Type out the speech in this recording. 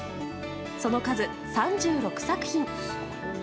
その数、３６作品。